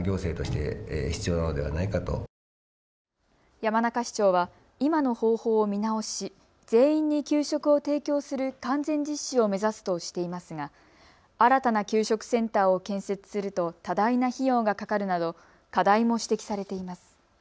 山中市長は今の方法を見直し全員に給食を提供する完全実施を目指すとしていますが新たな給食センターを建設すると多大な費用がかかるなど課題も指摘されています。